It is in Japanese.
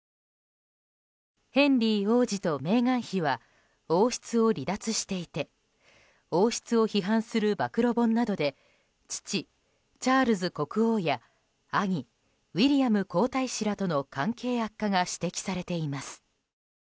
ヘンリー王子とメーガン妃は王室を離脱していて王室を批判する暴露本などで父・チャールズ国王や兄・ウィリアム皇太子らとの関係悪化が指摘されています。